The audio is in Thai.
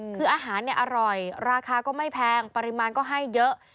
คืออาหารอร่อยราคาก็ไม่แพงปริมาณก็ให้เยอะ